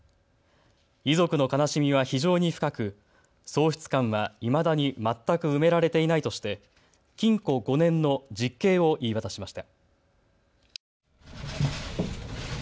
遺族の悲しみは非常に深く、喪失感は、いまだに全く埋められていないとして禁錮５年の実刑を言い渡しました。